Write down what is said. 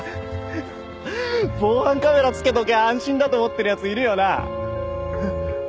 防犯カメラ付けときゃ安心だと思ってる奴いるよな。